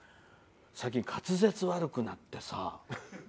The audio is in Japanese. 最近、滑舌悪くなってさ。